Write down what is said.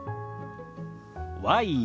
「ワイン」。